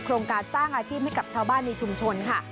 โรงการสร้างอาชีพให้กับชาวบ้านในชุมชนค่ะ